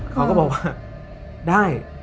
เขาก็บอกว่าได้